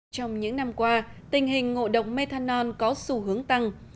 trong những năm qua tình hình ngộ độc methanol có xu hướng tăng